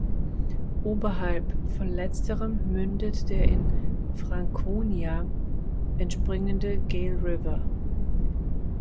Oberhalb von letzterem mündet der in Franconia entspringende Gale River.